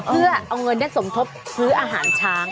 เพื่อเอาเงินได้สมทบซื้ออาหารช้าง